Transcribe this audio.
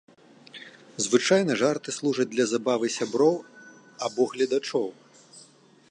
Звычайна жарты служаць для забавы сяброў або гледачоў.